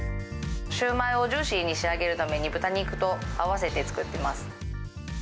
シューマイをジューシーに仕上げるために、豚肉と合わせて作っています。